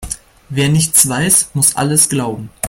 Wer nichts weiß, muss alles glauben.